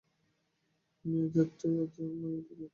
মেয়ে জাতটাই হচ্ছে মায়াবতীর জাত।